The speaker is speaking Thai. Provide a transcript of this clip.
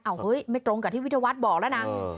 เฮ้ยไม่ตรงกับที่วิทยาวัฒน์บอกแล้วนะ